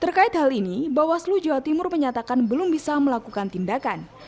terkait hal ini bawaslu jawa timur menyatakan belum bisa melakukan tindakan